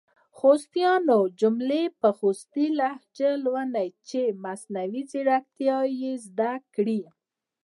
خوستیانو جملي په خوستې لهجه لولۍ چې مصنوعي ځیرکتیا یې زده کړې!